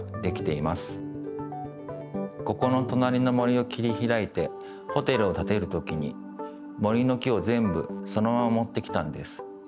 ここのとなりの森を切りひらいてホテルをたてるときに森の木をぜんぶそのままもってきたんです。